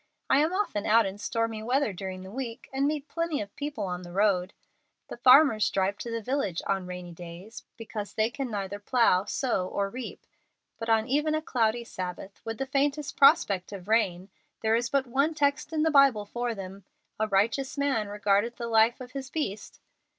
I am often out in stormy weather during the week, and meet plenty of people on the road. The farmers drive to the village on rainy days because they can neither plow, sow, nor reap. But on even a cloudy Sabbath, with the faintest prospect of rain, there is but one text in the Bible for them: 'A righteous man regardeth the life of his beast.'